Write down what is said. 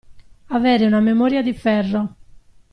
Avere una memoria di ferro.